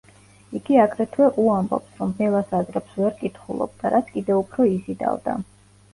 იგი აგრეთვე უამბობს, რომ ბელას აზრებს ვერ კითხულობდა, რაც კიდევ უფრო იზიდავდა.